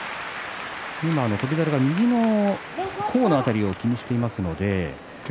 今、翔猿が右の甲の辺りを気にしています。